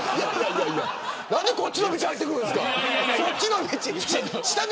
何でこっちの道に入ってくるんですか。